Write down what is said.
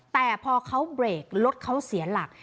แต่พอเขาเบรกรถเขาเสียหลัก